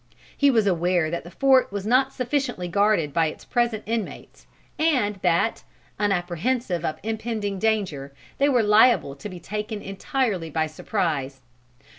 He was aware that the fort was not sufficiently guarded by its present inmates, and that, unapprehensive of impending danger, they were liable to be taken entirely by surprise.